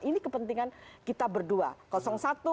ini kepentingan kita berdua